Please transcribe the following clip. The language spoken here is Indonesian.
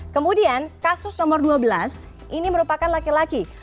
kemudian kasus nomor dua belas ini merupakan laki laki